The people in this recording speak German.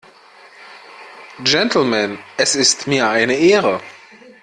Gentlemen, es ist mir eine Ehre!